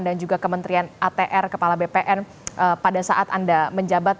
dan kementerian untuk kepala bpn pada saat anda menjabat